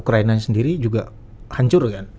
ukraina sendiri juga hancur kan